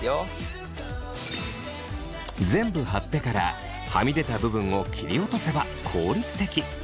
全部貼ってからはみ出た部分を切り落とせば効率的。